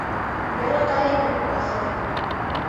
Ярата ине бахыр...